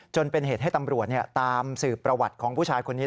จนเป็นเหตุให้ตำรวจตามสืบประวัติของผู้ชายคนนี้